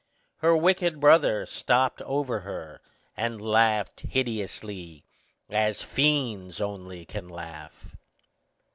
Her wicked brother stopped over her, and laughed hideously, as fiends only can laugh.